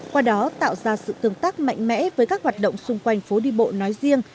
qua đó tạo ra sự tương tác mạnh mẽ với các hoạt động xung quanh phố đi bộ nói riêng